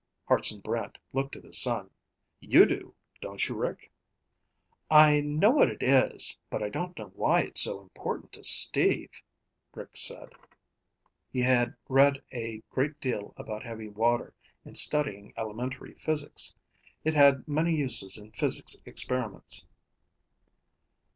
Hartson Brant looked at his son. "You do, don't you, Rick?" "I know what it is, but I don't know why it's so important to Steve," Rick said. He had read a great deal about heavy water in studying elementary physics. It had many uses in physics experiments.